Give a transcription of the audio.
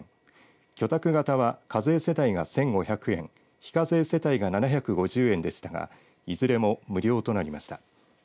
居宅型は、課税世帯が１５００円非課税世帯が７５０円でしたがいずれも無料となりました。